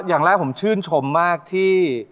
อย่างแรกผมชื่นชมมากที่